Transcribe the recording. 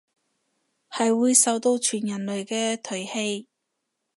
係會受到全人類嘅唾棄